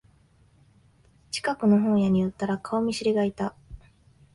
近くの本屋に寄ったら顔見知りがいた